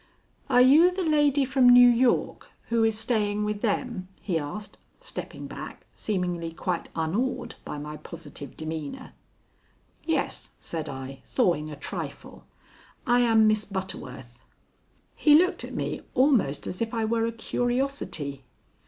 "Are you the lady from New York who is staying with them?" he asked, stepping back, seemingly quite unawed by my positive demeanor. "Yes," said I, thawing a trifle; "I am Miss Butterworth." He looked at me almost as if I were a curiosity.